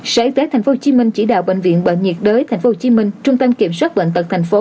sở y tế tp hcm chỉ đạo bệnh viện bệnh nhiệt đới tp hcm trung tâm kiểm soát bệnh tật tp hcm